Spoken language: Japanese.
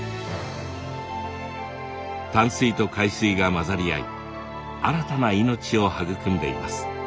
淡水と海水が混ざり合い新たな命を育んでいます。